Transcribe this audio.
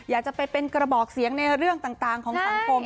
อยากจะไปเป็นกระบอกเสียงในเรื่องต่างของสังคม